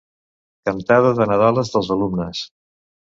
Cantada de nadales dels alumnes.